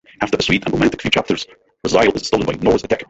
After a sweet and romantic few chapters Raziel is stolen by Nora's attacker.